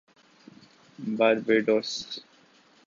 Barbados